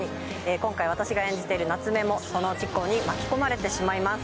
今回、私が演じている夏梅もその事故に巻き込まれてしまいます。